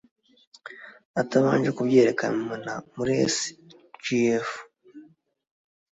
atabanje kubyerekana muri sgf